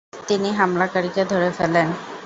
তিনি হামলাকারীকে ধরে ফেলেন।